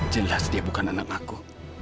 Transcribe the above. jelas dia bukan anak aku